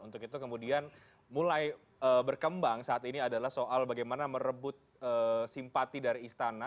untuk itu kemudian mulai berkembang saat ini adalah soal bagaimana merebut simpati dari istana